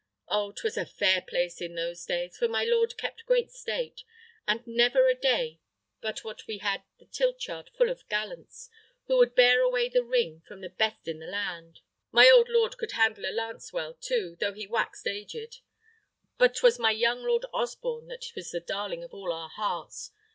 Oh! 'twas a fair place in those days, for my lord kept great state, and never a day but what we had the tilt yard full of gallants, who would bear away the ring from the best in the land. My old lord could handle a lance well, too, though he waxed aged; but 'twas my young Lord Osborne that was the darling of all our hearts.